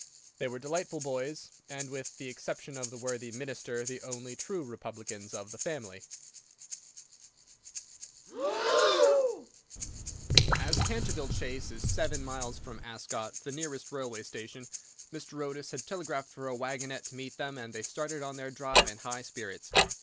They were delightful boys, and, with the exception of the worthy Minister, the only true republicans of the family. [Illustration: "HAD ONCE RACED OLD LORD BILTON ON HER PONY"] As Canterville Chase is seven miles from Ascot, the nearest railway station, Mr. Otis had telegraphed for a waggonette to meet them, and they started on their drive in high spirits.